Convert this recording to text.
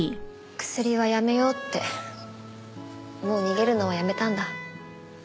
クスリはやめようってもう逃げるのはやめたんだ。